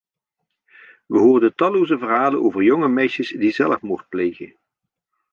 We hoorden talloze verhalen over jonge meisjes die zelfmoord plegen.